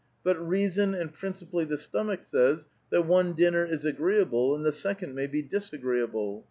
JBut reason, and principally the stomach, says, that one din ner is agreeable and the second may be disagreeable.